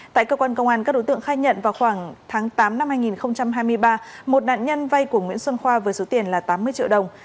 tại cơ quan công an các đối tượng khai nhận vào khoảng tháng tám năm hai nghìn hai mươi ba một nạn nhân vay của nguyễn xuân khoa với số tiền là tám mươi triệu đồng